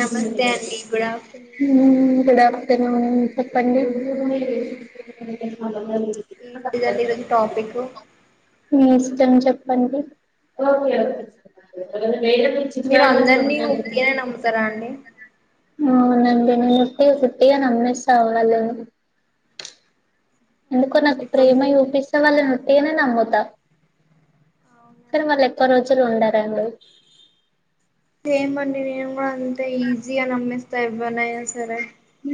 నమస్తే అండి good afternoon చెప్పండి ఏంటిదండి ఈ రోజు టాపిక్ మీ ఇష్టం చెప్పండి దాన్ని ఉత్తిగానే నమ్ముతారా అండి ఉని ముతి కుట్టగా నమ్మే సవాలు ఎందుకో నాకు అవునండి తొమ్మి ప్రేమ చూపిస్తే వాళ్ళని ఉట్టి గానే నమ్ముతా అవునండి అసలు ఉండారండి సేమ్ అండి నేను కూడా అంతే ఈజి గా నమ్మేస్తా ఎవ్వరిన్నైనా సరే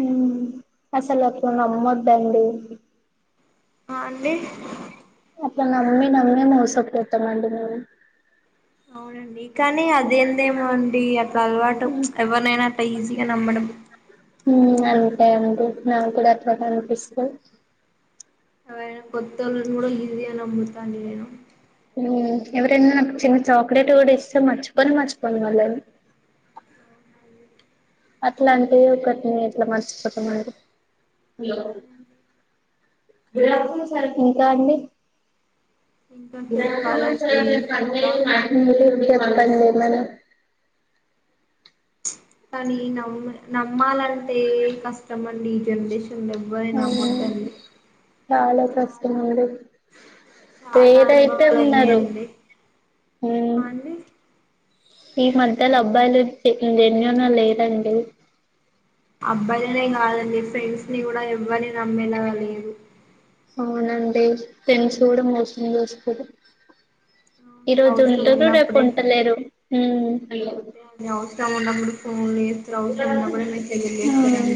హ్మ్ అసలుకు నమ్మోద్దండి అ అండి అట్ల నమ్మి నమ్మి మోసపోతామండి మేము అవునండి కానీ అదేందేమో అండి అట్లా అలవాటు ఎవరినైనా అట్లా ఈజీగా నమ్మడం హ్మ్ అంతే నా క్కూడా అట్లాగే అనిపిస్త అలాగే కొత్తోళ్ళను కూడా ఈజీ గా నమ్ముతాను నేను హ్మ్ ఎవరైనా నాకు చిన్న చాక్లెట్ కూడా ఇస్తే మర్చిపోనే మర్చిపోను వాళ్ళని అట్లా అంటే ఒకటిని ఎట్లా మర్చిపోతమండి ఇంకా అండి ఇంకా చెప్పాలండి [unintelligible] ఇంకా ఏముందండి వదల్లేరు నన్ను ఇంకా కానీ నమ్ నమ్మాలంటే కష్టమండి ఈ జనరేషన్లో ఎవ్వరని అవును నమ్మొద్దండి చాలా కష్టమండి చాలా ఏదైతే అనుభవాలు ఉన్నారు అయినాయండి ఆ అండి ఈ మధ్యలో అబ్బాయిలు జెన్యూన్ లేరండి అబ్బాయిలనే కాదండి ఫ్రెండ్స్ ని కూడా ఎవ్వరిని నమ్మేలాగా లేదు అవునండి ఫ్రెండ్స్ కూడా మోసం చేస్తరు ఈ అవునండి, రోజు అవసరం ఉంటరు రేపు ఉన్నప్పుడే ఉంటలేరు తను ఉన్నప్పుడు ఫోన్ లేదు హ్మ్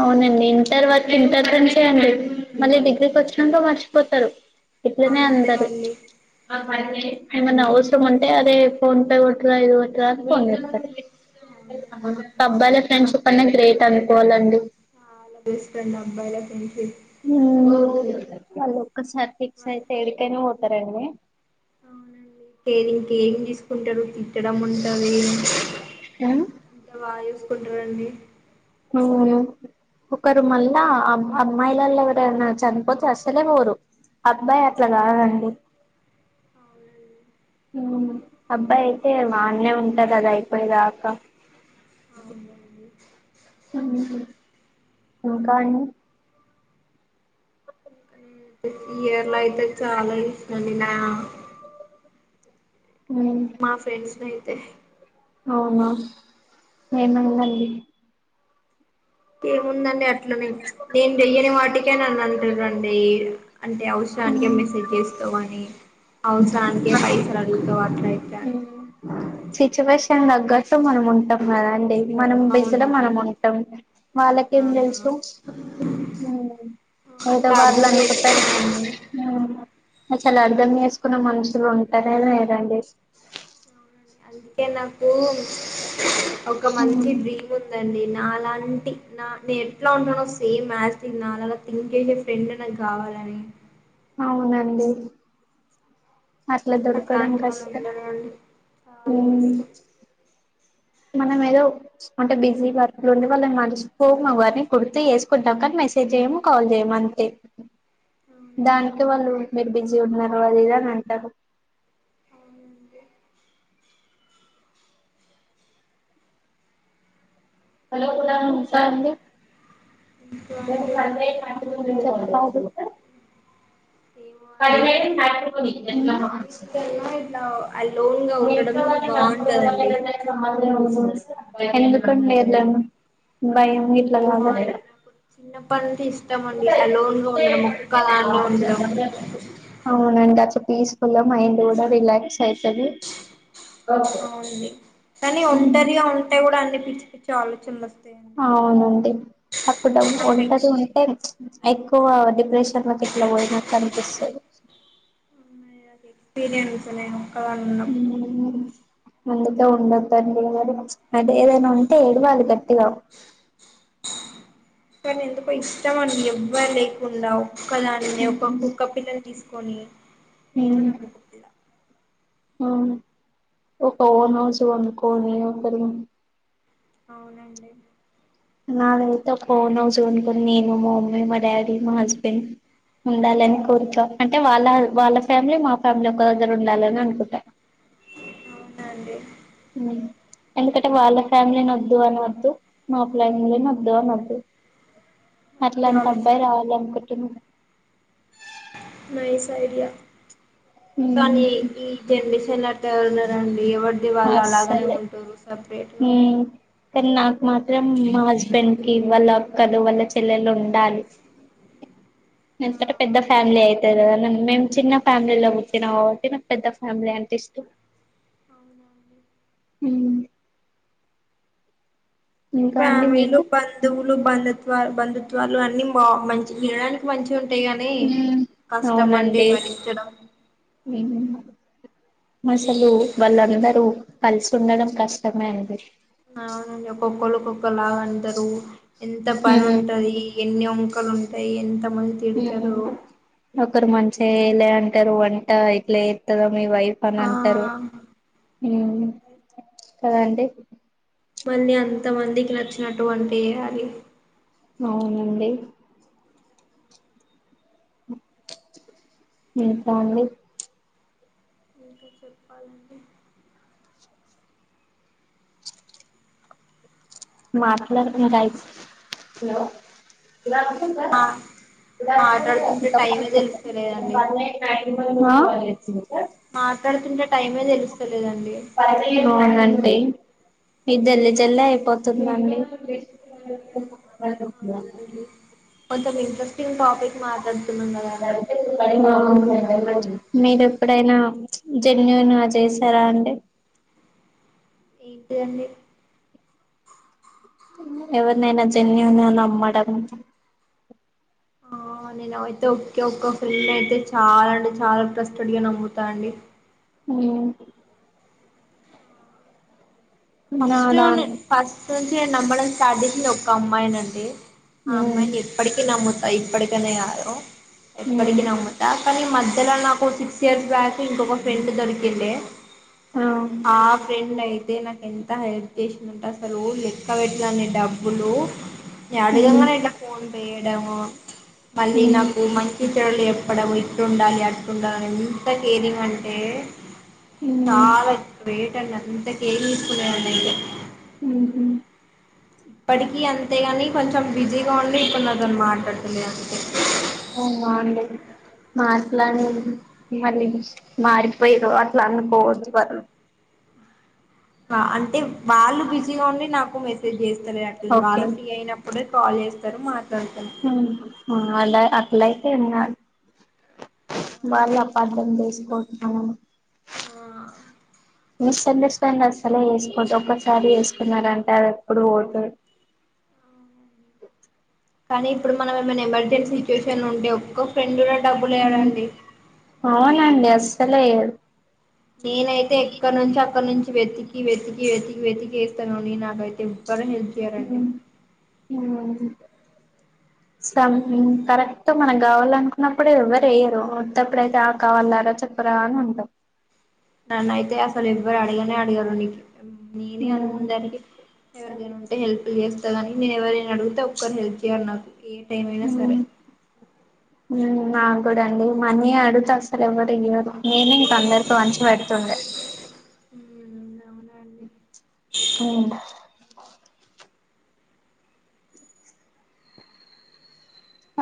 అవునండి తర్వాత ఇంటర్ ఫ్రెండ్స్ ఏ అండి మళ్ళీ డిగ్రీకి వచ్చినంక మర్చిపోతారు ఇట్లనే అంతే అందరు అండి ఏమైనా అవసరం ఉంటే అదే ఫోన్ పే కొట్టురా ఇది కొ అవునండి [inaudible] ఫ్రెండ్ షిప్ అనే గ్రేట్ అనుకోవాలండి ఆ అలా బెస్ట్ ఫ్రెండ్ అబ్బాయిలే ఫ్రెండ్ షిప్ వాళ్ళు ఒక్కసారి ఫిక్స్ అయితే ఎక్కడికైనా పోతారండి అవునండి కేరింగ్ కేరింగ్ తీసుకుంటారు పెట్టడం ఉంటాది ఉమ్ ఇంకా బాగా చూసుకుంటారండి అవును ఒకరు మళ్ళా అమ్మాయిలలో ఎవరైనా చనిపోతే అస్సలే పోరు అబ్బాయి అట్లా అవునండి కాదండి అవునండి అబ్బాయి అయితే ఆడనే ఉంటాడు కదా అయిపోయేదాకా అవునండి ఇంకా అండి ఇయర్ లో అయితే చాలా ఇసండి నా [inaudible] మా ఫ్రెండ్స్ న అయితే అవునా ఏమైదండి ఏముందండి అట్లనే నేను వెయ్యని వాటికే నన్ను అంటారండి అంటే అవసరానికే మెసేజ్ చేస్తావా అని ఇట్లా అని సిట్యుయేషన్ దగ్గట్టు మనం ఉంటాం కదా అండి మనం బీసీ లో అవునండి మనం ఉంటాం వాళ్ళకేం అవునా తెలుసు ఏదో అట్లా వాళ్లు అర్థం అనుకుంటారు చేసుకోనండి అసలు అర్ధం చేసుకున్న మనుషులు ఉంటారా లేదండి అవునండి అందుకే నాకు ఒక మంచి డ్రీమ్ ఉందండి నాలాంటి నా నేను ఎట్లా ఉంటానో సేమ్ యాజ్ ఈట్ ఈజ్ నాలాగా థింక్ చేసే ఫ్రెండ్ నాకు కావాలని అవునండి అట్లా దొరకడం అట్లాంటి వాళ్ళు కష్టం ఉండరండి చాలా అం కష్టం మనం ఏదో అంటే బిజీ వర్క్ లో ఉండి వాళ్ళను మర్చిపోము కాని గుర్తు చేసుకుంటాం కానీ మెసేజ్ చేయము కాల్ చేయము అంతే అవునండి దానికే వాళ్ళు మీరు బిజీ ఉన్నారు అది ఇది అని అంటారు [inaudible] ఇంకా అండి ఇంకా అండి [inaudible] ఏమో అండి అన్నిటికన్నా ఇట్లా [unintelligible] అలోన్ గా [inaudible] ఉండడం బాగుంటదండి ఎందుకండి వెళ్ళాము భయం ఎట్ల [inaudible] ఏమో అండి నాకు చిన్నప్పటి నుండి ఇష్టం అండి అలోన్ గా ఉండడం ఒక్కదాన్నే ఉండడం అవునండి అట్లా పీస్ఫుల్ గా మైండ్ కూడా రిలాక్స్ అయితాది అవునండి కానీ ఒంటరిగా ఉన్నా కూడా అన్ని పిచ్చి పిచ్చి ఆలోచనలు వస్తాయి అవునండి అప్పుడబ్ నాకు ఒంటరిగా ఉంటే ఎక్స్పీరియన్స్ ఎ డిప్రషన్ట్లోకి అట్ల పోయినట్టు అనిపిస్తుంది న్నా అ ఎక్స్పీరియన్స్ నేను ఒక్కదని ఉన్నప్పుడు అందుతో ఉండొద్దండి అదే ఏదైనా ఉంటే ఏడవలీ గట్టిగా కానీ ఎందుకో ఇష్టం అండి ఎవ్వలే కుండా ఒక్క దానే కుక్క పిల్లని తీసుకొని నేను ఉమ్ నా కుక్క పిల్ల అవును ఒక ఓన్ హౌస్ కొనుకొని ఒకరి అవునండి నాదైతే ఒక ఓన్ హౌస్ కొనుకొని నేను మా మమ్మీ మా డాడీ మా హస్బెండ్ ఉండాలని కోరిక అంటే వాళ్ళ వాళ్ళ ఫ్యామిలీ మా ఫ్యామిలీ ఒక దగ్గర ఉండాలని అనుకుంటా అవునండి అ ఎందుకంటే వాళ్ళ ఫ్యామిలీ న వద్దు అని వద్దు మా ఫ్యామిలీ ను వద్దు అన వద్దు మంచి అట్లాన్ టి ఆలోచన అబ్బాయి రావాలి అనుకుంటున్నా నైస్ఐడియా ఉమ్ కానీ ఈ జనరేషన్ ల అ ట్ట ఎవరు ఉన్నారండి ఎవరిది వాళ్ళు అలాగనే ఉంటారు సపరేట్ గా ఉమ్ కానీ నాకు మాత్రం మా హస్బెండ్ కి వాళ్ళ అక్కలు వాళ్ళ చెల్లెలు ఉండాలి నంతట పెద్ద ఆ ఫ్యామిలీ అయితదొ మేము చిన్న ఫ్యామిలీలో పుట్టిన కాబట్టి నాకు పెద్ద ఫ్యామిలీ అం టె ఇష్టం ఉమ్ అండి ఫ్యామిలీలు మీకు బంధువులు బంధుత్వాలు బంధుత్వాలు అన్ని బా మంచి వినడానికి మంచి గ ఉంటాయి గాని కష్టం అండి అవునండి భరించడం అసలు వాళ్ళందరూ కలిసి ఉండడం కష్టమే అండి లాగా అంటారు ఎంత పని ఉంటది ఎన్ని వంకలుంటాయి ఎంత మంది తిడుతారు ఒకరు మంచిగా చేయలే అంటారు వంట ఇట్లే ఎత దా మీ వైఫ్ అని ఆ అంటారు ఉమ్ కదా అండి మళ్ళీ అంత మందికి నచ్చినట్టు వంట చేయాలి అవునండి ఇంకా అండి ఇంకా చెప్పాలండి మాట్లాడు కుంట అయ్ ప్ ఇ మా ఇ మాట్లాడుతుంటే స టైమే తెలుస్తలేదండి పోయ్ మా మాట్లాడుకుంట అవునండి ఇద్ జల్ జల్లే అయిపోతున్ ది అండి కొంచం ఇంట్రెస్టింగ్ టాపిక్ మాట్లాడుతునామ్ కదాండి మీరు ఎప్పుడైనా జన్యుూన్ గ చేసారా అండి ఏంటిదండి ఎవరినైనా జెన్యూన్ గ నమ్మడం ఆ నేను అయితే ఒక్కే ఒక్క ఫిల్ అయితే చాలా చాలా ట్రస్డిగా నమ్ముతా అండి ఉమ్ నా ఫస్ట్ దాన్ ఫస్ట్ నుంచి నమ్మడం స్టార్టింగ్ లొ ఒక అమ్మాయినండి ఆ ఉమ్ అమ్మాయ్ ని ఎప్పటికి న ముత్తా ఇప్పటికనే గాదు ఎప్పటికి ఉమ్ నమ్ముతా కానీ మధ్యలో నాకు సి క్స్ ఇయర్స్ బ్యాక్ ఇంకొక ఫ్రెండ్ దొరికిండే ఆ ఆ ఫ్రెండ్ అయితే నాకు ఎ డెడికేషన్ ఉంట అసలు లెక్క పెట్టలేనీ డబ్బులు నేన్ ఉమ్ అడుగంగానే ఇట్ల ఫోన్ పే ఏయడం మళ్ళీ ఉమ్ నాకు మంచి చెడుల్ ఏప్ ప్పడం ఇట్లుండాలి అట్లున్ ఎంత కేరింగ్ అంటే ఉమ్ చాల గ్రేట్ అండి అంత కేరింగ్ అదండీ ఉహు కొంచెం బిజీగా ఉండి ఇప్పుడు నాతోని మాట్లాడుతులే అందుకే అ మాట్లనే మళ్ళీ మారిపొయిర్రు అట్ల అనుకోవద్దు వరన్ ఆ అంట్ తివ్ వాళ్ళు బిజీగా ఉండి నాకు మెసేజ్ చేస్తరు అట్లి ఓకే వాళ్ళు ఫ్రీ అయినప్పుడే కాల్ చేస్తరు మా ఊ అలా అట్లయితే ఏం కాద్ వాళ్ళ అట్లనే అండి అపార్థం చేసుకొద్దూ ఆ మిస్ అండస్టాండ్ అసలే ఏసుకోద్దు ఒక్కసారి ఏసుకున్నారాంటే అది ఎప్పుడూ వోతా ఆ కానీ ఇప్పుడు మనం ఏ ఏమైనా ఎమర్జెన్సీ సిచ్యువేషన్ ఉంటె ఒక్క ఫ్రెండ్ కూడ డబ్బులేయాడండి సల్లేయార్ నేనైతే ఎక్కడ నుంచో అక్కడ నుంచి వెతికి వెతికి వెతికి వెతికి వేస్తానని నాకైతే ఎవ్వరు హెల్ప్ చేయరండి [inaudible] సం కరెక్ట్ మనం కావాలనుకున్నప్పుడే ఎవ్వరు ఎయ్యరు ఉత్తపుడూ అయితే ఆ కావాల్లరా చెప్పరా అని అంటం నన్నయితే అసలు ఎవ్వరూ అడిగనే అడిగరు నీకు ఇంక నేనే అందరినీ ఉంటాం ఎవరికైన ఉంటే హెల్ప్ చేస్తగాని నేను ఎవరైనడుగుతే ఒక్కరు హెల్ప్ చేయర్ నాకు ఏ టైం అయినా హు సరే హూ నాక్కూడా అండి మనీ అడుగుతె అస్సలెవ్వరు ఇయ్యారు నేనే ఇక అందరితొ వంచి పెడుతుండే [unintelligible] ఉహ్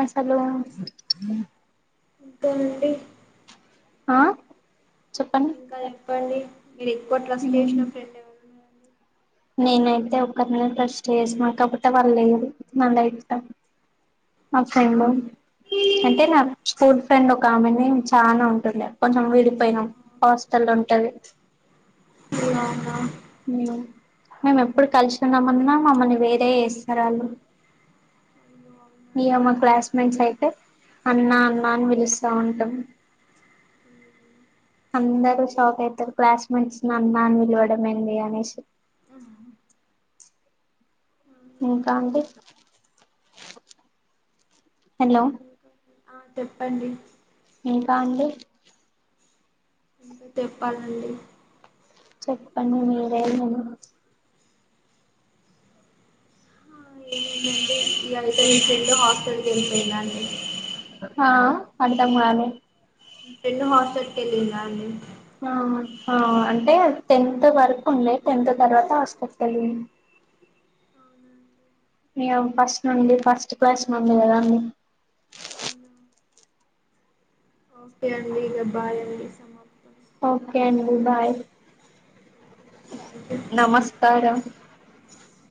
అసలూ ఇంకండి ఆ చెప్పండి ఇంకా చెప్పండి మీరు ఎక్కువ ట్రస్ట్ చేసిన ఫ్రెండ్ ఎవరున్నారండి నేనైతే ఒకర్నే ట్రస్ట్ చేస్న కాకపోతే వాళ్ళ లేరు నా లైఫ్లా నా ఫ్రెండు ఆ అంటే నా స్కూల్ ఫ్రెండ్ ఒక ఆమెనే చానా ఉంటుండే కొంచెం విడిపొయినాం హాస్టల్లొ ఉంటది హ్ అవునా ఉ మేమెప్పుడు కలుసుందం అన్నా మమ్మల్ని వేరే చేస్తరు వాళ్ళు అవును అవునండి ఇగ మా క్లాస్మేట్స్ అయితే అన్నా అన్నా అని పిలుస్తా ఉంటం ఉహ్ అందరూ షాక్ అయ్తరు క్లాస్మేట్స్ అన్నా అని పిలవడం ఏంది అనేషి ఇంక అవునండి అండి హలో ఆ చెప్పండి ఇంకా అండి చెప్పాలండి చెప్పండి మీరే ఏదైనా ఆ ఏం ఉందండి ఈ ఐదు [unintelligible] హాస్టల్ కెళ్ళిపోయిన అండి ఆ అర్థంగాలే ఫ్రెండు హాస్టల్కి వెళ్ళిందా అండి ఆ ఆ అంటే టెన్త్ వరకు ఉండే టెన్త్ తర్వాత హాస్టల్ కెళ్ళింది ఇగ ఫస్ట్ నుండి ఫస్ట్ క్లాస్ నుండి కదా అండి ఒకే అండి ఇంగ బాయ్ అండి సమాప్తం ఓకే అండి బాయ్ థ్యాంక్ యూ నమస్కారం